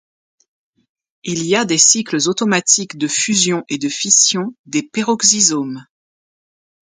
Il y a des cycles automatiques de fusion et de fission des peroxysomes.